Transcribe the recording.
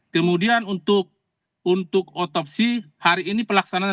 kemudian untuk otopsi hari ini pelaksanaan